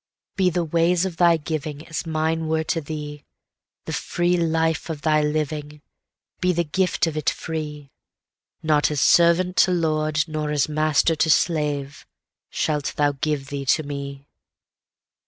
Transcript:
Be the ways of thy givingAs mine were to thee; The free life of thy living, Be the gift of it free; Not as servant to lord, nor as master to slave, shalt thou give thee to me.